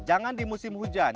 jangan di musim hujan